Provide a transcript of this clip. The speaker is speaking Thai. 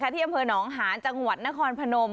ที่อำเภอหนองหานจังหวัดนครพนม